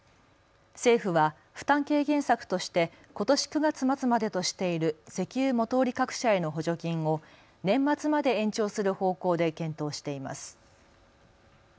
政府は負担軽減策としてことし９月末までとしている石油元売り各社への補助金を年末まで延長する方向で検討しています。